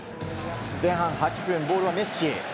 前半８分、ボールはメッシ。